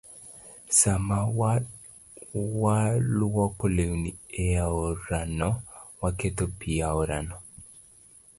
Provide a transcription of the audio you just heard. Sama walwoko lewni e aorano, waketho pi aorano.